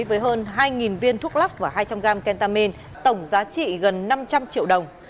với hơn hai viên thuốc lắc và hai trăm linh gram kentamin tổng giá trị gần năm trăm linh triệu đồng